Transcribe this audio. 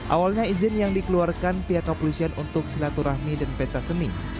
awalnya izin yang dikeluarkan pihak kepolisian untuk silaturahmi dan peta seni